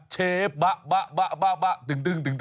เชฟบะบะบะตึง